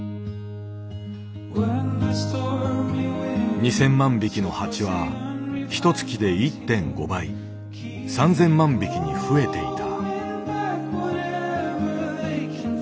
２，０００万匹の蜂はひとつきで１．５倍３，０００万匹にふえていた。